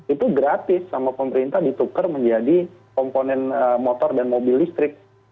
itu gratis sama pemerintah ditukar menjadi komponen motor dan mobil listrik